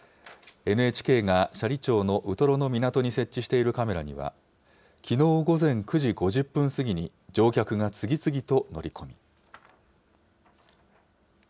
ＮＨＫが斜里町のウトロの港に設置しているカメラには、きのう午前９時５０分過ぎに乗客が次々と乗り込み。